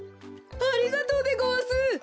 ありがとうでごわす！